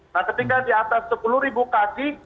nah ketika di atas sepuluh ribu kaki